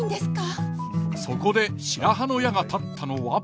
そこで白羽の矢が立ったのは。